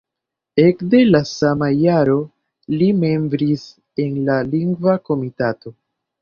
Ekde la sama jaro li membris en la Lingva Komitato.